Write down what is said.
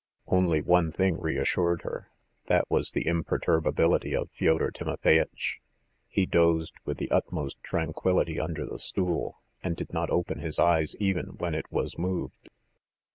Only one thing reassured her that was the imperturbability of Fyodor Timofeyitch. He dozed with the utmost tranquillity under the stool, and did not open his eyes even when it was moved.